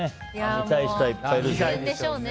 見たい人はいっぱいいるでしょうね。